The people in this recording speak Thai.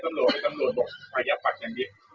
เจ้าตำรวจบอกไปอย่าปัดอย่างเดียว